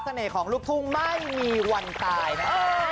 เสน่ห์ของลูกทุ่งไม่มีวันตายครับ